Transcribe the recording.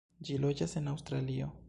Ĝi loĝas en Aŭstralio.